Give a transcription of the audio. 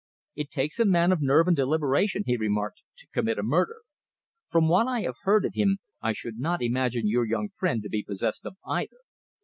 "It takes a man of nerve and deliberation," he remarked, "to commit a murder. From what I have heard of him, I should not imagine your young friend to be possessed of either.